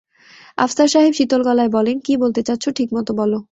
আফসার সাহেব শীতল গলায় বলেন, কী বলতে চাচ্ছ ঠিকমতো বল।